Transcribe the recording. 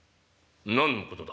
何のことだ？」。